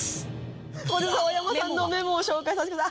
ここで澤山さんのメモを紹介させてください。